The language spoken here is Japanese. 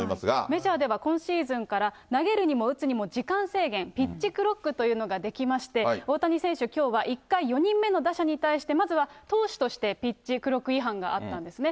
メジャーでは今シーズンから、投げるにも打つにも、時間制限、ピッチクロックというのが出来まして、大谷選手、きょうは１回、４人目の打者に対してまずは、投手としてピッチクロック違反があったんですね。